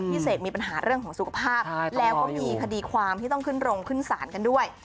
เสกมีปัญหาเรื่องของสุขภาพแล้วก็มีคดีความที่ต้องขึ้นโรงขึ้นศาลกันด้วย